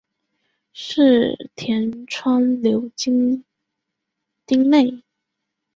柿田川流经町内。